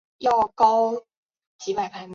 戈塞尔曼。